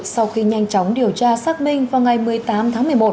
sau khi nhanh chóng điều tra xác minh vào ngày một mươi tám tháng một mươi một